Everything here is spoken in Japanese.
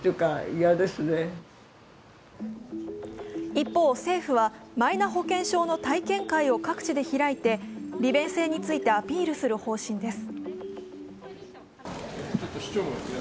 一方、政府はマイナ保険証の体験会を各地で開いて利便性についてアピールする方針です。